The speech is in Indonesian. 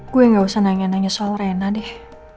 gue gak usah nanya nanya soal rena deh